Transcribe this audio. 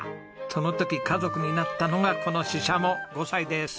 その時家族になったのがこのししゃも５歳です。